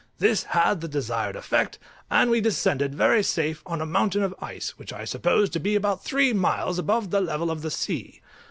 This had the desired effect, and we descended very safe on a mountain of ice, which I supposed to be about three miles above the level of the sea.